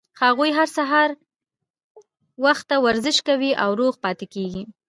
هغوي هره ورځ سهار وخته ورزش کوي او روغ پاتې کیږي